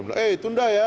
oke itu ndah ya